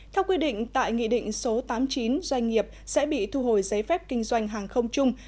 theo quy định tại nghị định số tám mươi chín doanh nghiệp sẽ bị thu hồi giấy phép kinh doanh hàng không chung